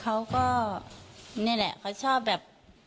เขาก็นี่แหละเขาชอบแบบ